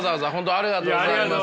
ありがとうございます。